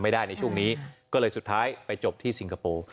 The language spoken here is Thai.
ในช่วงนี้ก็เลยสุดท้ายไปจบที่สิงคโปร์